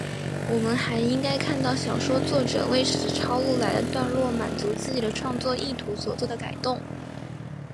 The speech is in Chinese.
我们还应该看到小说作者为使抄录来的段落满足自己的创作意图所作的改动。